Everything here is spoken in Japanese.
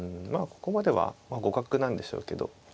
ここまでは互角なんでしょうけど。